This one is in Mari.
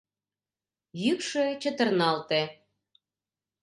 Йӱкшӧ чытырналте.